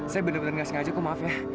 saya bener bener gak sengaja aku maaf ya